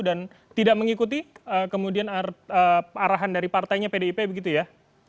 dan tidak mengikuti kemudian arahan dari partainya pdip begitu ya